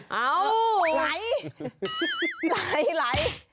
ไหลไหลไหล